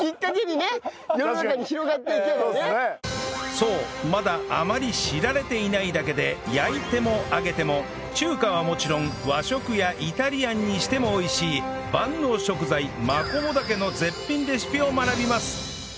そうまだあまり知られていないだけで焼いても揚げても中華はもちろん和食やイタリアンにしても美味しい万能食材マコモダケの絶品レシピを学びます